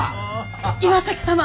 岩崎様